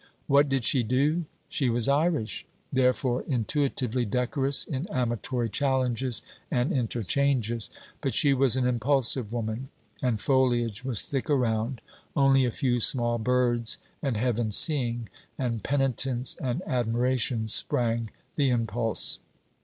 What did she do? She was Irish; therefore intuitively decorous in amatory challenges and interchanges. But she was an impulsive woman, and foliage was thick around, only a few small birds and heaven seeing; and penitence and admiration sprang the impulse.